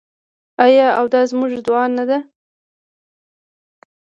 آیا او دا زموږ دعا نه ده؟